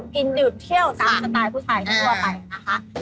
กินหยุดเที่ยวกันสไตล์ผู้ชายทั่วไปนะคะ